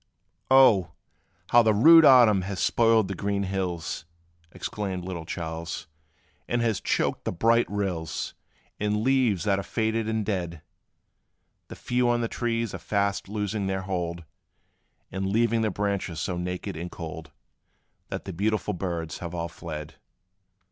"Oh! how the rude autumn has spoiled the green hills!" Exclaimed little Charles, "and has choked the bright rills With leaves that are faded and dead! The few on the trees are fast losing their hold, And leaving the branches so naked and cold, That the beautiful birds have all fled."